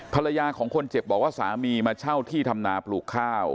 ภรรยาของคนเจ็บบอกว่าสามีมาเช่าที่ทำนาปลูกข้าว